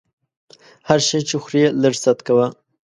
هر شی چې خورې لږ ست کوه!